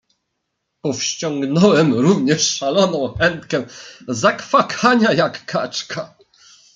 "Powściągnąłem również szaloną chętkę zakwakania jak kaczka."